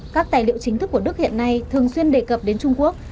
các tài liệu chính thức của đức hiện nay thường xuyên đề cập đến trung quốc